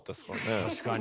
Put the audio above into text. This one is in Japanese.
確かに。